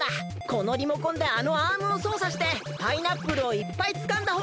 このリモコンであのアームをそうさしてパイナップルをいっぱいつかんだほうがかちだ！